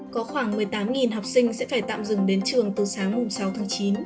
có khoảng một mươi tám học sinh sẽ phải tạm dừng đến trường từ sáng sáu tháng chín